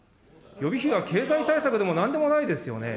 予備費が経済対策でもなんでもないですよね。